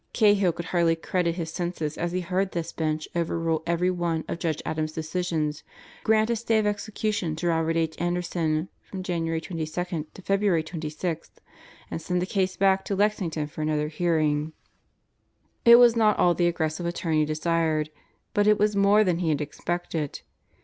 Cahill could hardly credit his senses as he heard this Bench overrule every one of Judge Adam's decisions, grant a stay of execution to Robert H. Anderson from January 22 to February 26, and send the case back to Lexington for another hearing. It was not all the aggressive attorney desired; but it was more than he had expected.